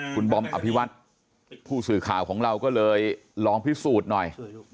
คุณบอมอภิวัตผู้สื่อข่าวของเราก็เลยลองพิสูจน์หน่อย